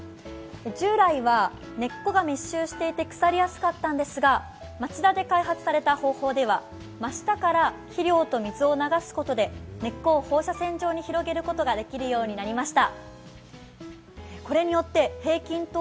従来は根っこが密集していて腐りやすかったんですが町田で開発された方法では、真下から肥料と水を流すことで根っこを放射線状に広げることができるようになりました。